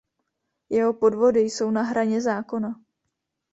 Jeho podvody jsou na hraně zákona.